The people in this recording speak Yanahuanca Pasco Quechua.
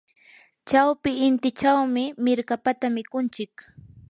chawpi intichawmi mirkapata mikunchik.